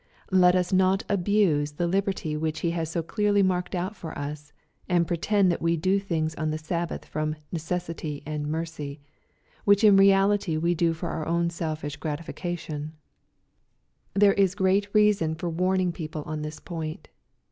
Let us not abuse the liberty which He has so clearly marked out for us, and pretend that we do things on the Sabbath from " necessity and mercy," which in reality we do for oar own selfish gratification. 124 BXPOSITOBY THOUGHTS. There is great reason for warning people on this point.